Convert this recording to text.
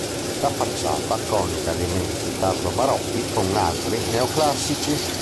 La facciata coniuga elementi tardo-barocchi con altri neoclassici.